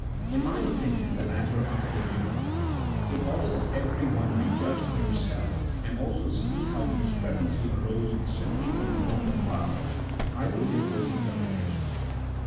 In my •opinion the latter are clearly wrong. In order that every one may judge for himself, and also see how the discre pancy arose simply from the want of vowels, I will give both interpretations.